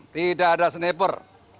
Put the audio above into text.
tidak ada sniper